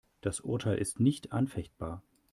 Das Urteil ist nicht anfechtbar.